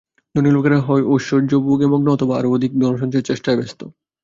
ধনী লোকেরা হয় ঐশ্বর্যভোগে মগ্ন, অথবা আরও অধিক ধন-সঞ্চয়ের চেষ্টায় ব্যস্ত।